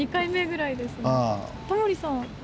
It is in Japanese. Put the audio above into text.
タモリさんは？